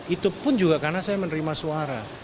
itu pun juga karena saya menerima suara